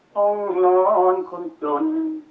ห้องนอนคนจน